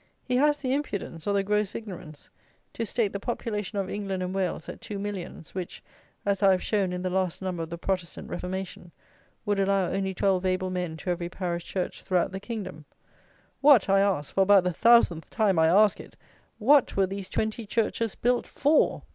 He has the impudence, or the gross ignorance, to state the population of England and Wales at two millions, which, as I have shown in the last Number of the Protestant Reformation, would allow only twelve able men to every parish church throughout the kingdom. What, I ask, for about the thousandth time I ask it; what were these twenty churches built for?